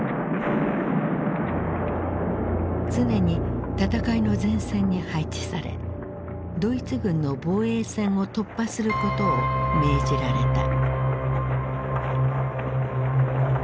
常に戦いの前線に配置されドイツ軍の防衛線を突破することを命じられた。